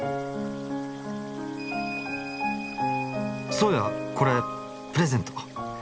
そうやこれプレゼント。